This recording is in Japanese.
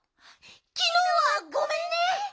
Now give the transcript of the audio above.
きのうはごめんね。